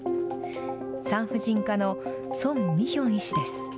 産婦人科のソン・ミヒョン医師です。